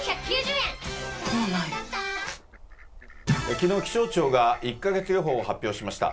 きのう、気象庁が１か月予報を発表しました。